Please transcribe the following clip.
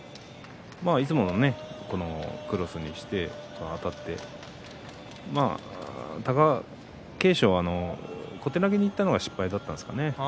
いつものクロスにしてあたって、貴景勝は小手投げにいったのが失敗だったんですかね。